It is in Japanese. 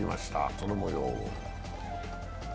そのもようを。